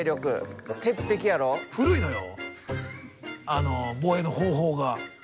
あの防衛の方法が。